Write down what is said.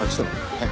はい。